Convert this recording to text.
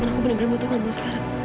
man aku bener bener butuh kamu sekarang